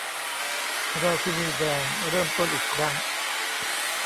ราชินีแดงเริ่มต้นอีกครั้ง